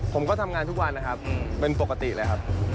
ผมก็ทำงานทุกวันนะครับเป็นปกติเลยครับ